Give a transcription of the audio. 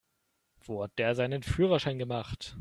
Wo hat der seinen Führerschein gemacht?